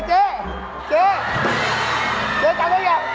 เจ๊เจ๊เจ๊จำได้อย่าง